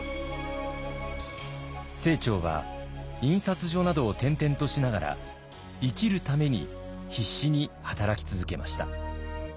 清張は印刷所などを転々としながら生きるために必死に働き続けました。